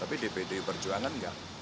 tapi di pdi perjuangan nggak